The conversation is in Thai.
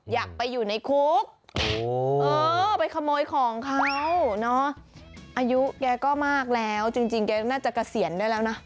อยากไปอยู่ในคุกไปขโมยของเขาเนาะอายุแกก็มากแล้วจริงแกน่าจะเกษียณได้แล้วนะ